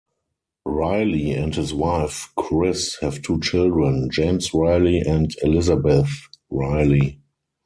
Riley and his wife Chris have two children, James Riley and Elisabeth Riley.